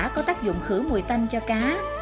có tác dụng khử mùi tanh cho cá